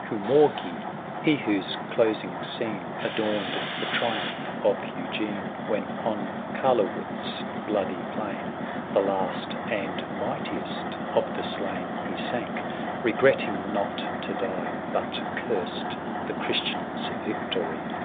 Coumourgi^ — he whose closing scene Adorned the triumph of Eugene, When on Carlowitz' bloody plain The last and mightiest of the slain He sank, regretting not to die, 100 But curst the Christian's victory— 12 _ THE SIEGE OF CORINTH.